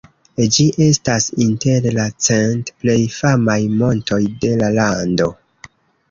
Ĝi estas inter la cent plej famaj montoj de la lando.